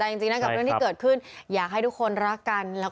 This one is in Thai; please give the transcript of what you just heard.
การวิ่งมีบางเรื่องจากเกิดขึ้นอยากให้ทุกคนรักกัน